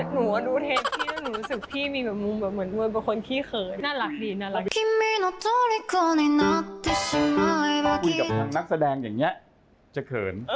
หนูว่าดูเทปพี่แล้วหนูรู้สึกพี่มีมุมเหมือนเป็นคนขี้เขิน